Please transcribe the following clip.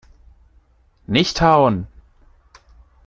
Nicht hauen!